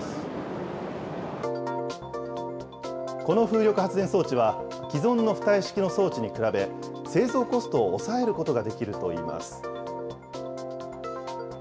この風力発電装置は、既存の浮体式の装置に比べ、製造コストを抑えることができるといいます。